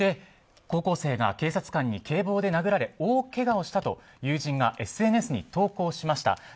高校生が警察官に警棒で殴られ大けがをしたと友人がＳＮＳに投稿しました。